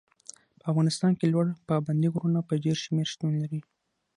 په افغانستان کې لوړ پابندي غرونه په ډېر شمېر شتون لري.